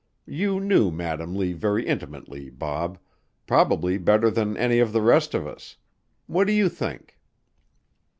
You knew Madam Lee very intimately, Bob probably better than any of the rest of us. What do you think?"